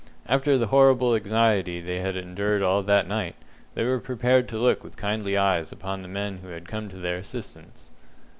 After the horrible anxiety they had endured all that night, they were prepared to look with kindly eyes upon the men who had come to their assistance.